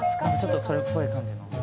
ちょっとそれっぽい感じの。